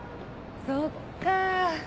そっか。